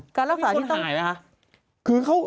มีคนหายไหมคะ